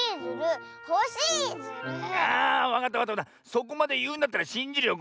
そこまでいうんだったらしんじるよ。